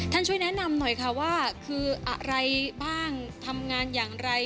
ช่วยแนะนำหน่อยค่ะว่าคืออะไรบ้างทำงานอย่างไร